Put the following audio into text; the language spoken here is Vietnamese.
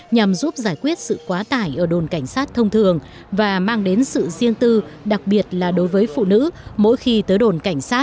nhằm giúp giải quyết sự quá tải ở đồn cảnh sát thông thường và mang đến sự riêng tư đặc biệt là đối với phụ nữ mỗi khi tới đồn cảnh sát